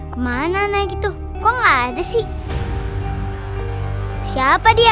kemana anak itu kok ada sih siapa dia